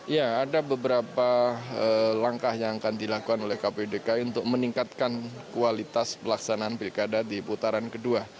ya ada beberapa langkah yang akan dilakukan oleh kpu dki untuk meningkatkan kualitas pelaksanaan pilkada di putaran kedua